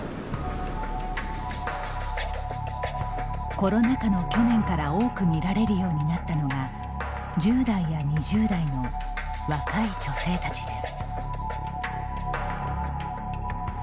コロナ禍の去年から多く見られるようになったのが１０代や２０代の若い女性たちです。